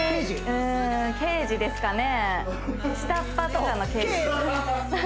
うん刑事ですかね